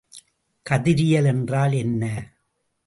கதிரியல் என்றால் என்ன?